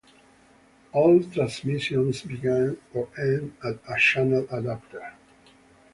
All transmissions begin or end at a channel adapter.